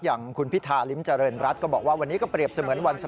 แฟนคลับอยากรุงเหนื่อยบ้างไหมครับเหนื่อยไหมครับ